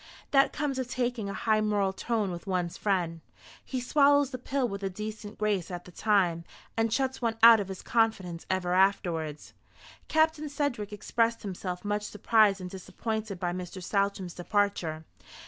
That comes of taking a high moral tone with one's friend. He swallows the pill with a decent grace at the time, and shuts one out of his confidence ever afterwards." Captain Sedgewick expressed himself much surprised and disappointed by Mr. Saltram's departure.